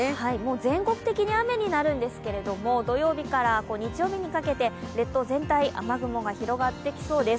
全国的に雨になるんですけれども、土曜日から日曜日にかけて列島全体、雨雲が広がってきそうです。